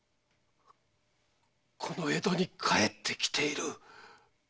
この江戸に帰ってきている！